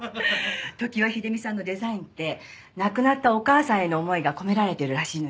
常盤秀美さんのデザインって亡くなったお母さんへの思いが込められてるらしいのよね。